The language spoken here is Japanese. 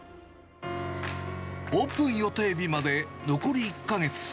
オープン予定日まで残り１か月。